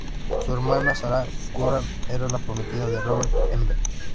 Su hermana, Sarah Curran, era la prometida de Robert Emmet.